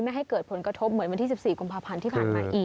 ไม่ให้เกิดผลกระทบเหมือนวันที่๑๔กุมภาพันธ์ที่ผ่านมาอีก